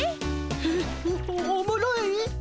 えおもろい！？